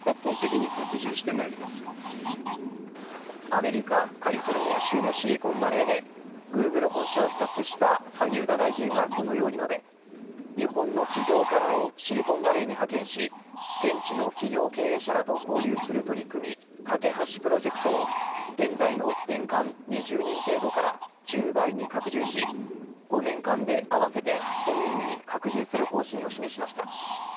アメリカ、カリフォルニア州のシリコンバレーでグーグル本社を視察した萩生田大臣は、このように述べ日本の起業家らをシリコンバレーに派遣し現地の企業経営者らと交流する取り組み架け橋プロジェクトを現在の年間２０人程度から１０倍に拡充し５年間で合わせて１０００人に拡充する方針を示しました。